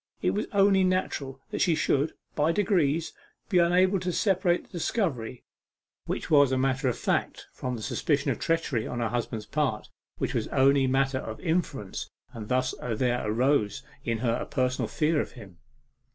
It was only natural that she should, by degrees, be unable to separate the discovery, which was matter of fact, from the suspicion of treachery on her husband's part, which was only matter of inference. And thus there arose in her a personal fear of him.